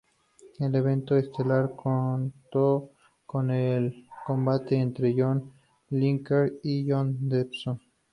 El evento estelar contó con el combate entre John Lineker y John Dodson.